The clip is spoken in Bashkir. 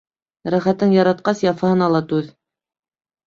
Рәхәтең яратҡас, яфаһына ла түҙ.